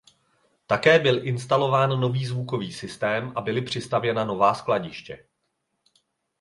Také byl instalován nový zvukový systém a byly přistavěna nová skladiště.